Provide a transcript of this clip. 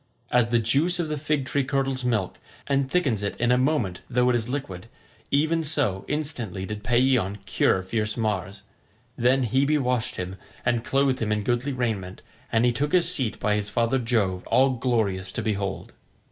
As the juice of the fig tree curdles milk, and thickens it in a moment though it is liquid, even so instantly did Paeeon cure fierce Mars. Then Hebe washed him, and clothed him in goodly raiment, and he took his seat by his father Jove all glorious to behold.